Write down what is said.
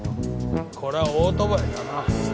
こりゃオートバイだな。